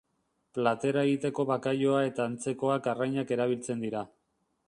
Platera egiteko bakailaoa eta antzekoak arrainak erabiltzen dira.